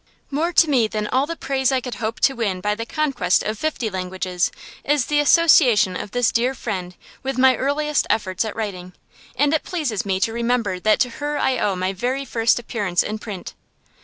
More to me than all the praise I could hope to win by the conquest of fifty languages is the association of this dear friend with my earliest efforts at writing; and it pleases me to remember that to her I owe my very first appearance in print.